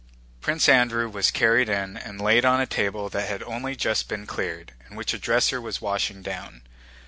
Prince Andrew was carried in and laid on a table that had only just been cleared and which a dresser was washing down.